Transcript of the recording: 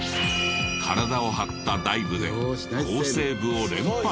体を張ったダイブで好セーブを連発。